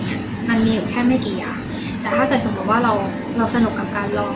มันมีอยู่แค่ไม่กี่อย่างแต่ถ้าเกิดสมมุติว่าเราเราสนุกกับการรอ